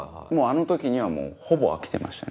あの時にはほぼ飽きてましたね。